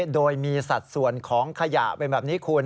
โดยมีสัดส่วนของขยะเป็นแบบนี้คุณ